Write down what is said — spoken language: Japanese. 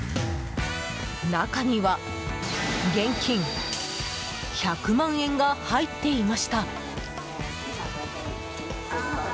中には、現金１００万円が入っていました。